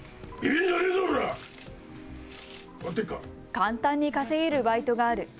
簡単に稼げるバイトがある。